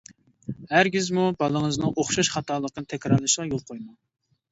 ھەرگىزمۇ بالىڭىزنىڭ ئوخشاش خاتالىقنى تەكرارلىشىغا يول قويماڭ.